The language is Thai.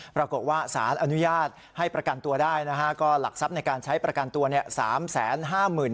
ปรากฏว่าสารอนุญาตให้ประกันตัวได้นะฮะก็หลักทรัพย์ในการใช้ประกันตัวเนี่ย